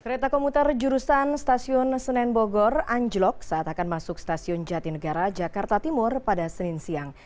kereta komuter jurusan stasiun senen bogor anjlok saat akan masuk stasiun jatinegara jakarta timur pada senin siang